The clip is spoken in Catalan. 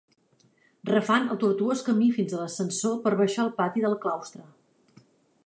Refan el tortuós camí fins a l'ascensor per baixar al pati del claustre.